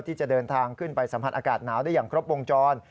ที่จะเดินทางขึ้นไปสัมผัสอากาศหนาวได้อย่างครบวงจร